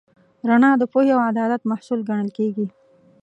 رڼا د پوهې او عدالت محصول ګڼل کېږي.